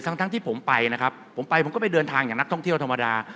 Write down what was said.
ทั้งทั้งที่ผมไปนะครับผมไปผมก็ไปเดินทางอย่างนักท่องเที่ยวธรรมดา